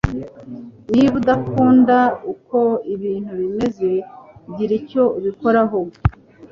Niba udakunda uko ibintu bimeze, gira icyo ubikoraho.